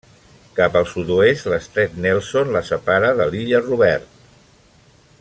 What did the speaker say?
Cap al sud-oest, l'Estret Nelson la separa de l'Illa Robert.